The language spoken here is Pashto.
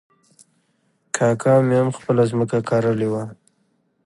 اکا مې هم خپله ځمکه کرلې وه.